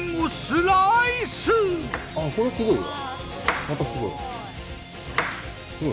すごい。